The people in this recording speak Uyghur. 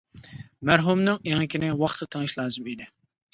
مەرھۇمنىڭ ئېڭىكىنى ۋاقتىدا تېڭىش لازىم ئىدى.